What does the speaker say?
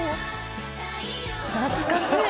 懐かしい。